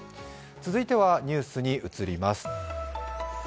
続いてはニュースに移ります。